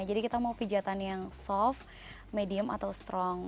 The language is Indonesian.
jadi kita mau pijatan yang soft medium atau strong